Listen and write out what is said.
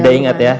tidak ingat ya